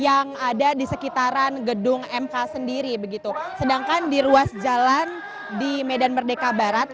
yang ada di sekitaran gedung mk sendiri begitu sedangkan di ruas jalan di medan merdeka barat